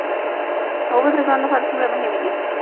اوبه د ژوند لپاره څومره مهمې دي